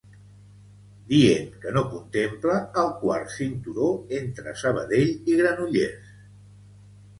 Dient que no contempla el Quart Cinturó entre Sabadell i Granollers.